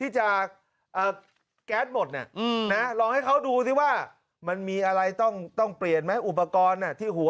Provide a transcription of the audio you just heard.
จะลองให้เขาดูดิว่ามันมีอะไรต้องเปลี่ยนไหมอุปกรณหน่ะที่หัว